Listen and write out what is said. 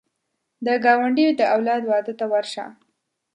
د ګاونډي د اولاد واده ته ورشه